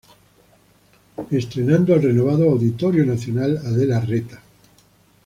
Estrenando el renovado Auditorio Nacional Adela Reta.